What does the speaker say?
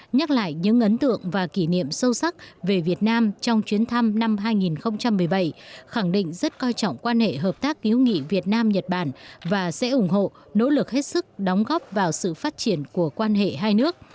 nhắc lại những ấn tượng và kỷ niệm sâu sắc về việt nam trong chuyến thăm năm hai nghìn một mươi bảy khẳng định rất coi trọng quan hệ hợp tác cứu nghị việt nam nhật bản và sẽ ủng hộ nỗ lực hết sức đóng góp vào sự phát triển của quan hệ hai nước